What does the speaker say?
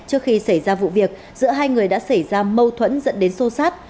trước khi xảy ra vụ việc giữa hai người đã xảy ra mâu thuẫn dẫn đến xô xát